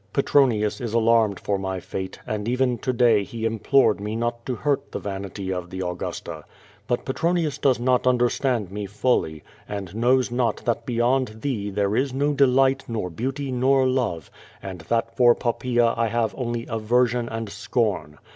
Petronius is alarmed for my fate, and even to day he im plored me not to hurt the vanity of the Augusta. But Petron ius does not understand me fully, and knows not that beyond thee there is no delight nor beauty nor love, and that for Pop paea I have only aversion and scorn.